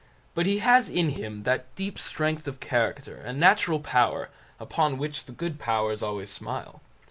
But he has in him that deep strength of character and natural power upon which the good powers always smile.